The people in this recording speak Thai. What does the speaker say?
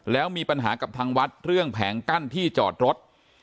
แล้วมีปัญหากับทางวัดเรื่องแผงกั้นที่จอดรถ